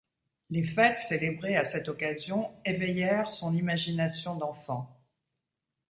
Les fêtes célébrées à cette occasion, éveillèrent son imagination d'enfant.